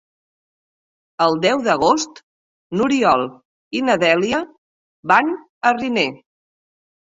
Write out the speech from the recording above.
El deu d'agost n'Oriol i na Dèlia van a Riner.